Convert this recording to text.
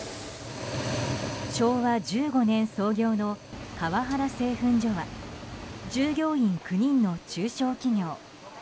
昭和１５年創業の川原製粉所は従業員９人の中小企業。